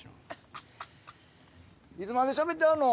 いつまでしゃべってはんの？